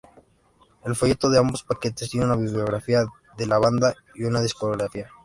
El folleto de ambos paquetes tiene una biografía de la banda y una discografía.